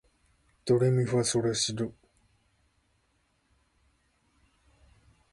ドレミファソラシド